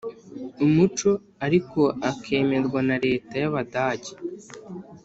umuco ariko akemerwa na Leta y Abadage